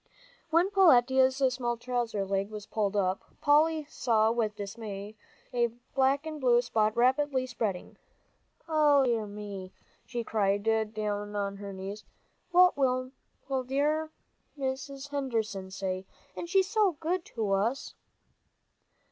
When Peletiah's small trouser leg was pulled up, Polly saw with dismay a black and blue spot rapidly spreading. "O dear me," she cried, down on her knees, "what will dear Mrs. Henderson say? and she's so good to us!"